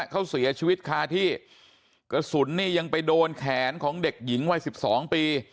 เขาเสียชีวิตคาที่กระสุนเนี่ยยังไปโดนแขนของเด็กหญิงวัยสิบสองปี